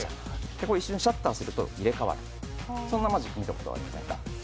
一瞬、シャッターすると入れ代わるそんなマジック、見たことありませんか？